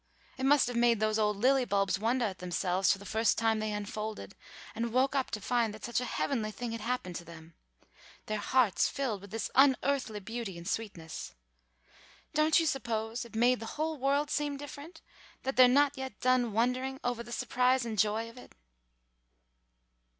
It must have made those old lily bulbs wondah at themselves the first time they unfolded and woke up to find that such a heavenly thing had happened to them, their hearts filled with this unearthly beauty and sweetness. Don't you suppose it made the whole world seem different, that they're not yet done wondering ovah the surprise and joy of it?"